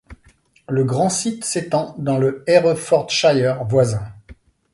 Le grand site s'étend dans le Herefordshire voisin.